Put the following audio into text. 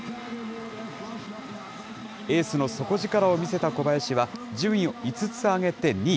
エースの底力を見せた小林は、順位を５つ上げて２位。